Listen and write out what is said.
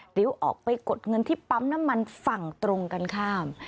หรือออกไปกดเงินที่ปั๊มน้ำมันฝั่งตรงกันข้าม